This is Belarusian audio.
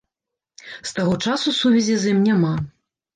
З таго часу сувязі з ім няма.